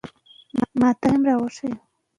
هغه کسان چې یوګا کوي عضلې آرامې ساتلی شي.